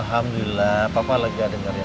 alhamdulillah papa lega dengarnya